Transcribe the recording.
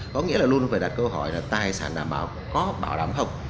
có nghĩa là luôn phải đặt câu hỏi là tài sản đảm bảo có bảo đảm không